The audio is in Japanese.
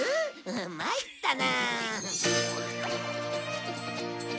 まいったな。